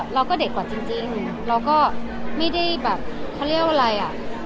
เราก็เด็กกว่าจริงเราก็ไม่ได้แบบเขาเรียกว่าอะไรอ่ะ